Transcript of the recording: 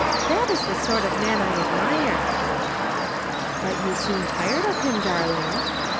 That is the sort of man I admire!" "But you soon tired of him, darling."